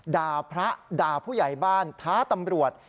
ด่าพระด่าผู้ใหญ่บ้านท้าตำรวจ